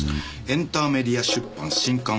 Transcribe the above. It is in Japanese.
『エンターメディア出版新刊案内』。